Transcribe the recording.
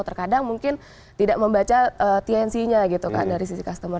terkadang mungkin tidak membaca tnc nya gitu kan dari sisi customer